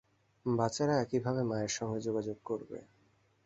বাচ্চারাও একইভাবে মার সঙ্গে যোগাযোগ করবে।